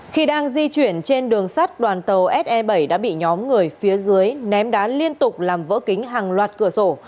khi đang di chuyển trên đường sắt đoàn tàu se bảy đã bị nhóm người phía dưới ném đá liên tục làm vỡ kính hàng loạt cửa sổ